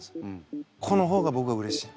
この方がぼくはうれしい。